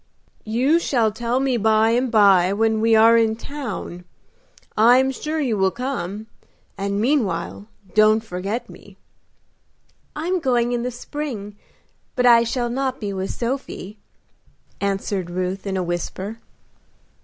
"You shall tell me by and by when we are in town. I am sure you will come, and meanwhile don't forget me." "I am going in the spring, but I shall not be with Sophie," answered Ruth, in a whisper.